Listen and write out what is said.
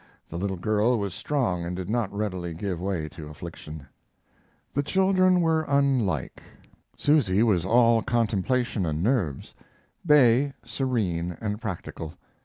The little girl was strong and did not readily give way to affliction. The children were unlike: Susy was all contemplation and nerves; Bay serene and practical.